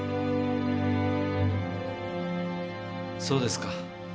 そうですか。